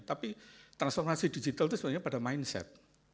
tapi transformasi digital itu sebenarnya pada mindset